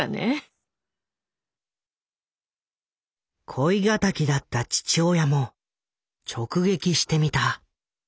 恋敵だった父親も直撃してみた。